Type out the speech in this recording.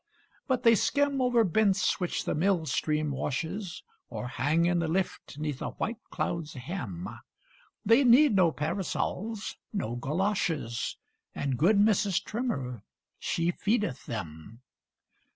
But they skim over bents which the mill stream washes, Or hang in the lift 'neath a white cloud's hem; They need no parasols, no goloshes; And good Mrs. Trimmer she feedeth them.